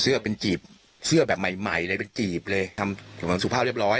เป็นจีบเสื้อแบบใหม่ใหม่เลยเป็นจีบเลยทำสมรสุภาพเรียบร้อย